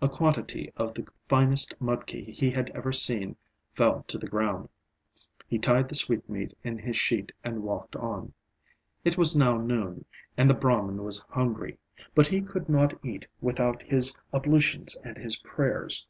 a quantity of the finest mudki he had ever seen fell to the ground. He tied the sweetmeat in his sheet and walked on. It was now noon, and the Brahman was hungry; but he could not eat without his ablutions and his prayers.